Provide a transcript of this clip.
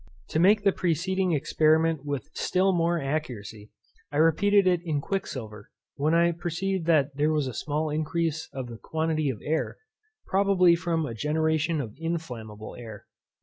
To make the preceding experiment with still more accuracy, I repeated it in quicksilver; when I perceived that there was a small increase of the quantity of air, probably from a generation of inflammable air.